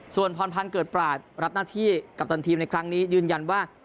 ส่วนพรพันธ์เกิดปราศรับหน้าที่กัปตันทีมในครั้งนี้ยืนยันว่า